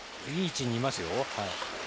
いい位置にいますよ。